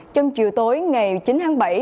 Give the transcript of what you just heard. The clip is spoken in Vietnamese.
trong chiều tối ngày chín tháng bảy